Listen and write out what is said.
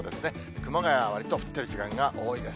熊谷はわりと降っている時間が多いです。